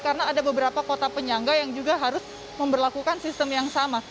karena ada beberapa kota penyangga yang juga harus memperlakukan sistem yang sama